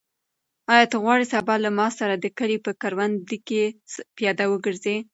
آیا ته غواړې سبا له ما سره د کلي په کروندو کې پیاده وګرځې؟